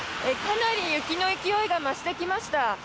かなり雪の勢いが増してきました。